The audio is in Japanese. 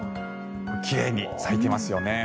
奇麗に咲いていますよね。